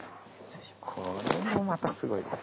これもまたすごいです。